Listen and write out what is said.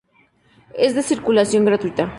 Es de circulación gratuita.